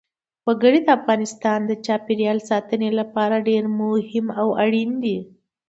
وګړي د افغانستان د چاپیریال ساتنې لپاره ډېر مهم او اړین دي.